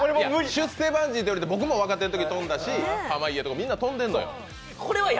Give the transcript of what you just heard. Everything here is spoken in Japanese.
出世バンジーと言われて、僕も飛んでるし、濱家とかみんな飛んでるのよ。